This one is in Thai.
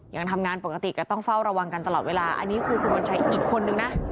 ยังทำงานปกติก็ต้องเฝ้าระวังกันตลอดเวลาอันนี้คือคุณวัญชัยอีกคนนึงนะ